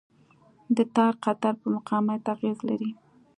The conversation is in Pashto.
د تار قطر په مقاومت اغېز لري.